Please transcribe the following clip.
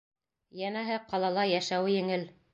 Йәнәһе, ҡалала йәшәүе еңел.